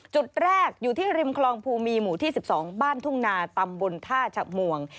จุดแรกอยู่ที่ริมคลองภูมีหมู่ที่๑๒บ้านทุ่งนาตำบลท่าชะมวง